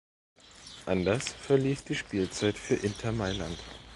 Anders verlief die Spielzeit für Inter Mailand.